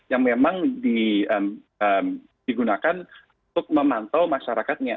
yang memang digunakan untuk memantau masyarakatnya